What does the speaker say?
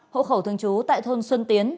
hộ khẩu thường trú tại thôn xuân tiến